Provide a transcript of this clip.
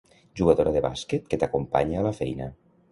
Jugadora de bàsquet que t'acompanya a la feina.